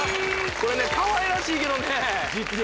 これねかわいらしいけどね実力